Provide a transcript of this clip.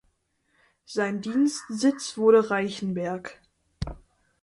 Sein Dienstsitz wurde Reichenberg.